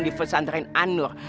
di pesantren anur